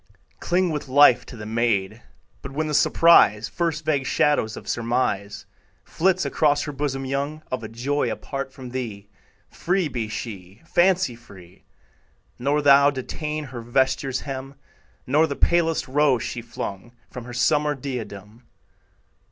Cling with life to the maid; But when the surprise, First vague shadow of surmise Flits across her bosom young, Of a joy apart from thee, Free be she, fancy free; Nor thou detain her vesture's hem, Nor the palest rose she flung From her summer diadem.